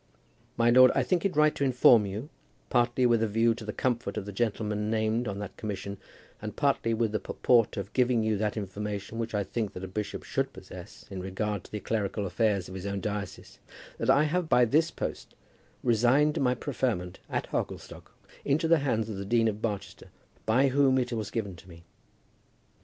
My lord, I think it right to inform you, partly with a view to the comfort of the gentlemen named on that commission, and partly with the purport of giving you that information which I think that a bishop should possess in regard to the clerical affairs of his own diocese, that I have by this post resigned my preferment at Hogglestock into the hands of the Dean of Barchester, by whom it was given to me.